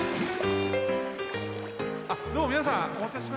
あっどうもみなさんおまたせしました。